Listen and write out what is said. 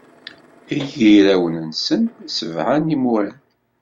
I yirawen-nsen, sebɛa n yimuren.